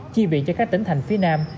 chi viện cho các tỉnh thành phía nam